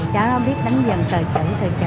cháu nó biết đánh dần từ từ